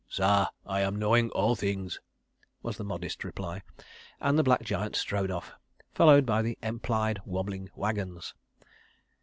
..." "Sah, I am knowing all things," was the modest reply, and the black giant strode off, followed by the empiled wobbling waggons.